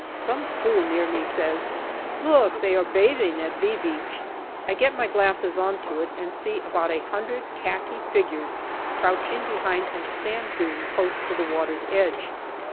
Some fool near me says, " Look, they are bathing at ' V ' Beach." I get my glasses on to it and see about a hundred khaki figures crouching behind a sand dune close to the water's edge.